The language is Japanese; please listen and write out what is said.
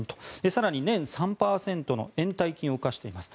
更に年３％の延滞金を課しています。